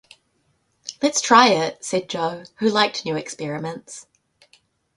"Let's try it," said Jo, who liked new experiments.